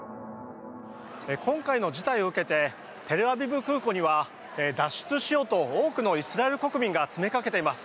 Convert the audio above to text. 今回の事態を受けてテルアビブ空港には脱出しようと多くのイスラエル国民が詰めかけています。